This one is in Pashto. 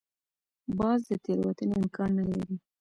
باز د تېروتنې امکان نه لري